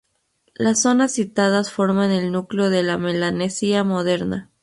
Las zonas citadas forman el núcleo de la Melanesia moderna.